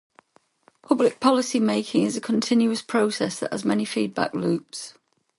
Public policy making is a continuous process that has many feedback loops.